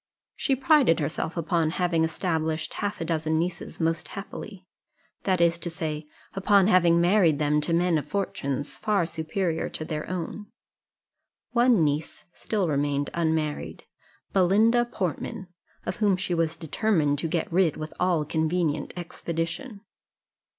She prided herself upon having established half a dozen nieces most happily, that is to say, upon having married them to men of fortunes far superior to their own. One niece still remained unmarried Belinda Portman, of whom she was determined to get rid with all convenient expedition.